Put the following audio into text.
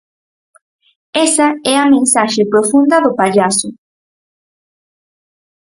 Esa é a mensaxe profunda do pallaso.